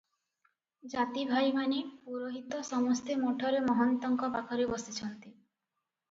ଜାତି ଭାଇମାନେ, ପୁରୋହିତ ସମସ୍ତେ ମଠରେ ମହନ୍ତଙ୍କ ପାଖରେ ବସିଛନ୍ତି ।